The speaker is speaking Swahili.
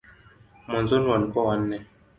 Mwanzoni walikuwa wanne.